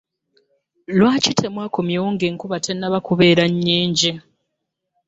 Lwaki tewakomyeewo nga enkuba tenaba kubeera nnnnnyingi?